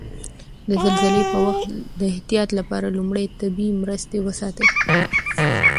د زلزلې په وخت د احتیاط لپاره لومړي طبي مرستې وساتئ.